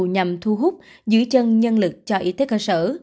nhằm thu hút giữ chân nhân lực cho y tế cơ sở